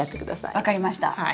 分かりました。